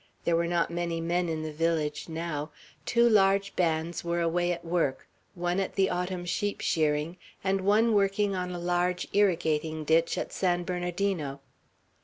There were not many men in the village now; two large bands were away at work, one at the autumn sheep shearing, and one working on a large irrigating ditch at San Bernardino.